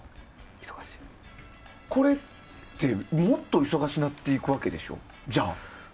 これって、もっと忙しくなっていくわけでしょ、じゃあ。